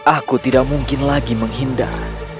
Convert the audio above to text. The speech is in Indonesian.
aku tidak mungkin lagi menghindar